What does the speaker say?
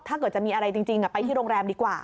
ถ้าเกิดจะมีอะไรจริงไปที่โรงแรมดีกว่า